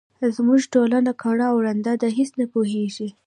زموږ ټولنه کڼه او ړنده ده هیس نه پوهیږي.